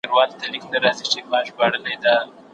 د زرو بازار خالي نه وي.